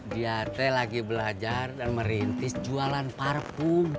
dia teh lagi belajar dan merintis jualan parfum